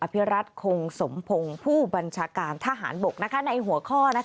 ภิรัตคงสมพงศ์ผู้บัญชาการทหารบกในหัวข้อ